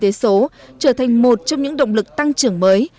thủ tướng phạm minh chính đã trở thành một trong những động lực tăng trưởng mới